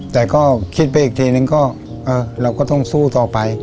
แต่ก็คิดไปอีกทีนึงก็เราก็ต้องสู้ต่อไป